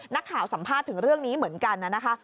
นักข่าวสัมภาษณ์ถึงเรื่องนี้เหมือนกันนะคะ